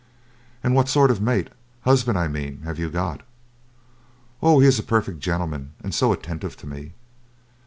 "And what sort of a mate husband, I mean have you got?" "Oh, he is a perfect gentleman, and so attentive to me.